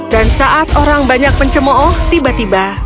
dan saat orang banyak pencemooh tiba tiba